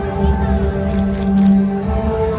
สโลแมคริปราบาล